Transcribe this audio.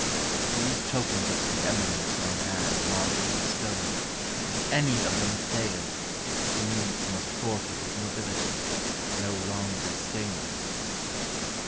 These tokens of pre eminence on man Largely bestowed, if any of them fail, He needs must forfeit his nobility. No longer stainless.